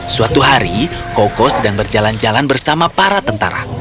suatu hari koko sedang berjalan jalan bersama para tentara